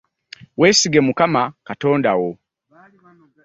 Wesige mukama katonda wo.